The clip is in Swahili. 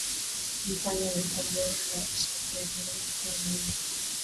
Mpanya anatobola shati yangu ya mweupe